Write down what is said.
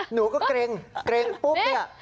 หนูก็เกรงแบบนี้